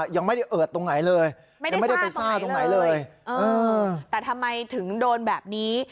ยังไม่ได้ไปซ่าตรงไหนเลยเออแต่ทำไมถึงโดนแบบนี้